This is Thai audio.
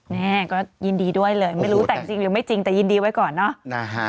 นี่ก็ยินดีด้วยเลยไม่รู้แต่งจริงหรือไม่จริงแต่ยินดีไว้ก่อนเนอะ